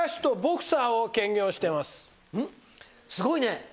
すごいね。